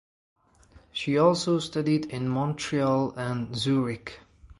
She also studied in Montreal and Zurich.